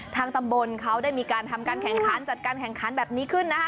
ทางตำบลเขาได้มีการทำการแข่งขันจัดการแข่งขันแบบนี้ขึ้นนะคะ